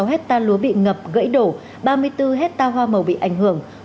một trăm hai mươi sáu hecta lúa bị ngập gãy đổ ba mươi bốn hecta hoa màu bị ảnh hưởng